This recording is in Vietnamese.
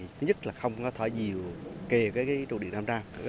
thứ nhất là không có thỏa dìu kề trụ điện nam trang